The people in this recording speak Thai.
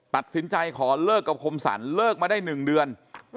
ตัดสินใจขอเลิกกับคมสรรเลิกมาได้๑เดือน